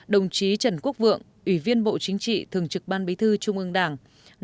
đồng chí trần quốc vượng ủy viên bộ chính trị thường trực ban bí thư trung ương đảng